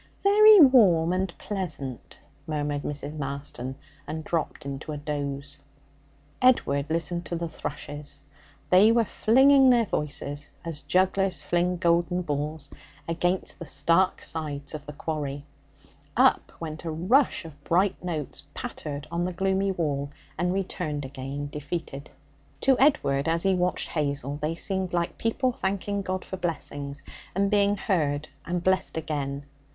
'Very warm and pleasant,' murmured Mrs. Marston, and dropped into a doze. Edward listened to the thrushes; they were flinging their voices as jugglers fling golden balls against the stark sides of the quarry. Up went a rush of bright notes, pattered on the gloomy wall, and returned again defeated. To Edward, as he watched Hazel, they seemed like people thanking God for blessings, and being heard and blessed again.